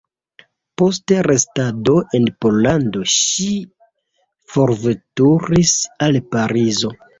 Post restado en Pollando ŝi forveturis al Parizo.